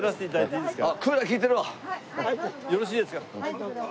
よろしいですか？